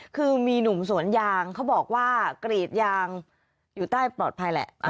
คือมีหนุ่มสวนยางเขาบอกว่ากรีดยางอยู่ใต้ปลอดภัยแหละ